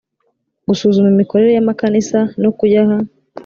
gusuzuma imikorere y amakanisa no kuyaha